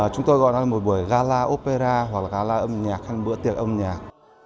chúng tôi gọi là một buổi gala opera hoặc gala âm nhạc hay bữa tiệc âm nhạc